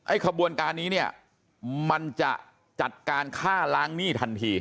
ไอ้คบวนการนี้มันจะจัดการฆ่าล้างหนี้ทันที